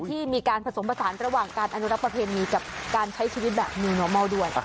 ที่มีการผสมผสานระหว่างการอนุรักษ์ประเพณีกับการใช้ชีวิตแบบนิวโนมัลด้วย